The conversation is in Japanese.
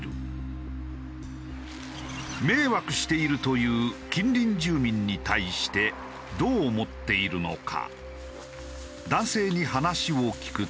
迷惑しているという近隣住民に対してどう思っているのか？